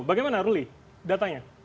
bagaimana ruli datanya